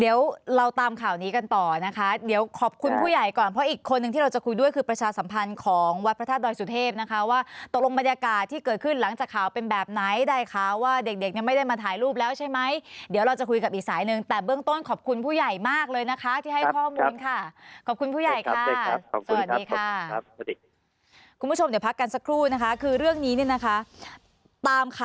เดี๋ยวเราตามข่าวนี้กันต่อนะคะเดี๋ยวขอบคุณผู้ใหญ่ก่อนเพราะอีกคนนึงที่เราจะคุยด้วยคือประชาสัมพันธ์ของวัดพระธาตุโดยสุเทพฯนะคะว่าตกลงบรรยากาศที่เกิดขึ้นหลังจากข่าวเป็นแบบไหนได้คะว่าเด็กยังไม่ได้มาถ่ายรูปแล้วใช่ไหมเดี๋ยวเราจะคุยกับอีกสายนึงแต่เบื้องต้นขอบคุณผู้ใหญ่มาก